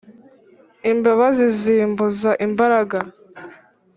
imbabazi zimbuza imbaraga